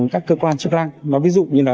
các cơ quan chức lăng ví dụ như